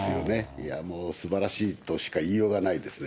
いやもう、すばらしいとしか言いようがないですね。